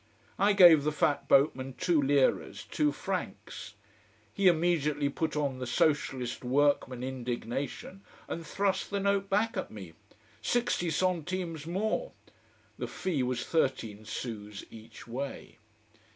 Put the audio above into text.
I gave the fat boatman two liras, two francs. He immediately put on the socialist workman indignation, and thrust the note back at me. Sixty centimes more! The fee was thirteen sous each way!